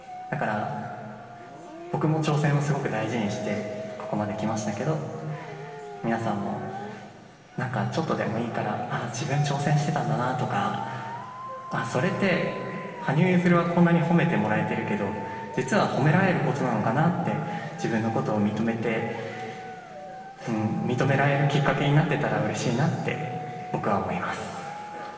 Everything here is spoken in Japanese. だから、僕も挑戦をすごく大事にして、ここまできましたけど、皆さんも、なんかちょっとでもいいから、自分挑戦してたんだなとか、ああ、それって、羽生結弦はこんなに褒めてもらえてるけど、実は褒められることなのかなって自分のことを認めて、認められるきっかけになってたら、うれしいなって僕は思います。